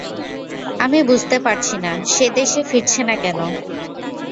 আমি বুঝতে পারছি না, সে দেশে ফিরছে না কেন।